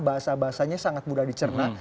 bahasa bahasanya sangat mudah dicerna